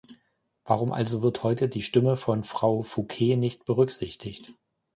Warum also wird heute die Stimme von Frau Fouque nicht berücksichtigt?